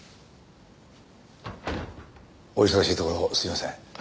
お忙しいところすいません。